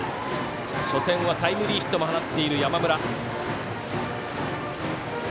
初戦はタイムリーヒットも放った山村。